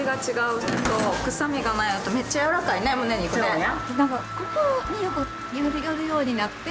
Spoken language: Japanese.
そうや。